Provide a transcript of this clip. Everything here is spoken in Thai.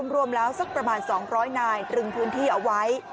รวมแล้วสักประมาณ๒๐๐นายตรึงพื้นที่เอาไว้